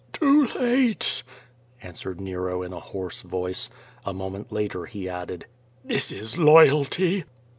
"Too late,'' answered Xero in a hoarse voice. A moment later he added: "This is loyalty."